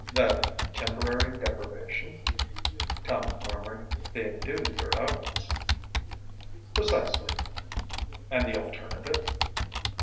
"That temporary deprivation," Tallente murmured, "being due to your efforts." "Precisely!" "And the alternative?"